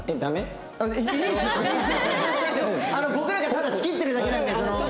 僕らがただチキってるだけなんでその。